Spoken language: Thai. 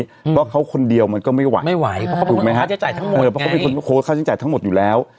เพราะว่าเขาคนเดียวมันก็ไม่ไหวเพราะเขาเป็นคนโค้ดค่าใช้จ่ายทั้งหมดไงเพราะเขาเป็นคนโค้ดค่าใช้จ่ายทั้งหมดอยู่แล้ว